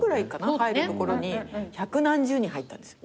入るところに百何十人入ったんですよ。